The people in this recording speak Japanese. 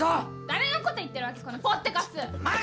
誰のこと言ってるわけこの、ぽってかす！